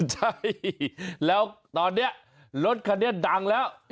ใช่แล้วตอนนี้รถคันนี้ดังแล้ว